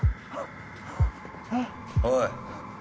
おい。